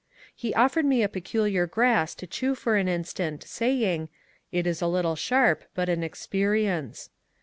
He offered me a peculiar grass to chew for an instant, saying, ^' It is a little sharp, but an experience.